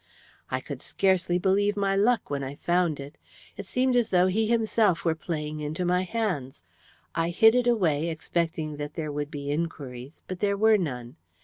I could scarcely believe my luck when I found it. It seemed as though he himself were playing into my hands. I hid it away, expecting that there would be inquiries, but there were none.